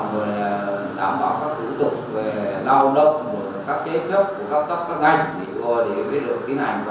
và đảm bảo các thủ tục về lao động các chế chấp các ngành để được tiến hành